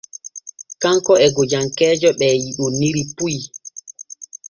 Kanko e gojankeeje ɓe yiɗontiri puy.